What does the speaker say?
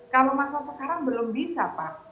kalau masa sekarang belum bisa pak